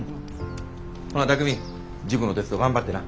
ほな巧海塾のテスト頑張ってな。